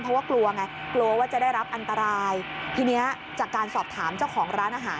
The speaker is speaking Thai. เพราะว่ากลัวไงกลัวว่าจะได้รับอันตรายทีเนี้ยจากการสอบถามเจ้าของร้านอาหาร